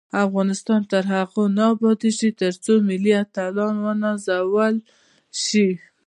افغانستان تر هغو نه ابادیږي، ترڅو ملي اتلان ونازل شي.